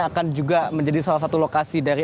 akan juga menjadi salah satu lokasi dari